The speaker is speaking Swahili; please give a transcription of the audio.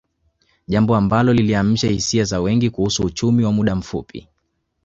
Jambo ambao liliamsha hisia za wengi kuhusu uchumi wa muda mfupi